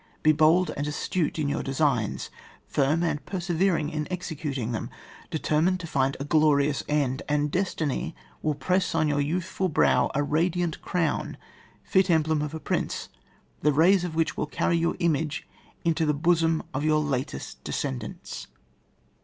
Be bold and astute in your de signs, firm and persevering in executing them, determined to find a glorious end, and destiny will press on your youthful brow a radiant crown — fit emblem oi a prince, the rays of which will carry your image into the bosom of your latest descendants.